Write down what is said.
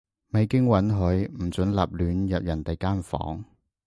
未經允許，唔准立亂入人哋間房